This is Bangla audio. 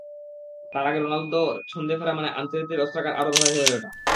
তার আগে রোনালদোর ছন্দে ফেরা মানে আনচেলত্তির অস্ত্রাগার আরও ধারালোই হয়ে ওঠা।